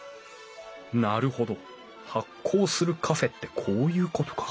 なるほど発酵するカフェってこういうことか。